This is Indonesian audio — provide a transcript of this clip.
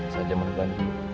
sejak jaman dulu